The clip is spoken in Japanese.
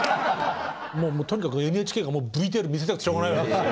もうとにかくＮＨＫがＶＴＲ見せたくしょうがないわけですよ。